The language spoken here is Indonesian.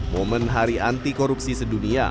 momen hari anti korupsi sedunia